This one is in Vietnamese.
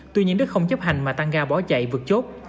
tuy nhiên đức không chấp hành mà tăng ga bỏ chạy vượt chốt